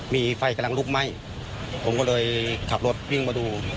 มีไฟกำลังลุกไหม้ผมก็เลยขับรถวิ่งมาดู